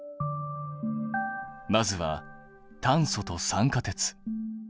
まずは炭素と酸化鉄。